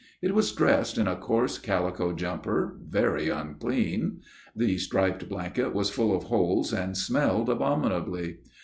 It was dressed in a coarse calico jumper, very unclean. The striped blanket was full of holes and smelled abominably.